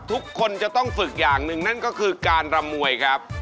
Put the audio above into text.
ทุกคนจะต้องฝึกอย่างหนึ่งนั่นก็คือการรำมวยครับ